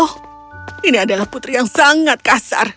oh ini adalah putri yang sangat kasar